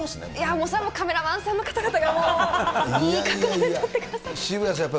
もうそれもカメラマンさんの方々が、いい角度で撮ってくださって。